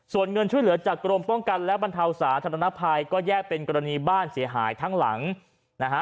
ส่วนเงินช่วยเหลือจากกรมป้องกันและบรรเทาสาธารณภัยก็แยกเป็นกรณีบ้านเสียหายทั้งหลังนะฮะ